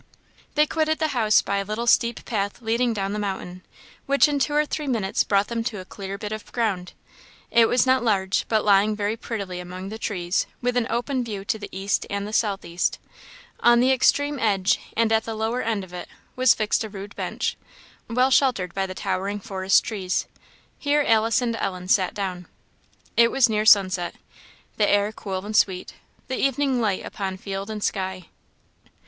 They quitted the house by a little steep path leading down the mountain, which in two or three minutes brought them to a clear bit of ground. It was not large, but lying very prettily among the trees, with an open view to the east and south east. On the extreme edge, and at the lower end of it, was fixed a rude bench, well sheltered by the towering forest trees. Here Alice and Ellen sat down. It was near sunset; the air cool and sweet; the evening light upon field and sky.